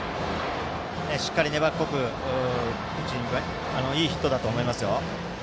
しっかり粘っこくいいヒットだと思います。